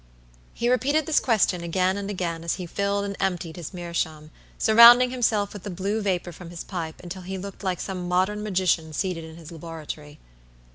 He repeated this question again and again as he filled and emptied his meerschaum, surrounding himself with the blue vapor from his pipe until he looked like some modern magician seated in his laboratory.